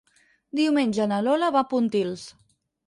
Diumenge na Lola va a Pontils.